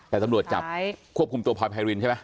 แต่ตำรวจจับควบคุมตัวพลอยไพรินใช่ไหม